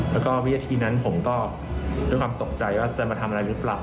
แล้วก็วินาทีนั้นผมก็ด้วยความตกใจว่าจะมาทำอะไรหรือเปล่า